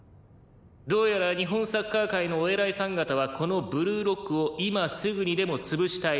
「どうやら日本サッカー界のお偉いさん方はこのブルーロックを今すぐにでも潰したいらしい」